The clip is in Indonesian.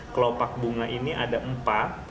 kelopak bunga ini ada empat